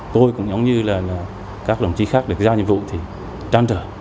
tôi cũng giống như các đồng chí khác được giao nhiệm vụ trang trở